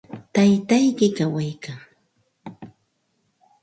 ¿Taytayki kawaykan?